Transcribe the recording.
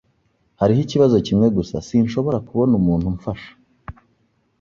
Hariho ikibazo kimwe gusa. Sinshobora kubona umuntu umfasha.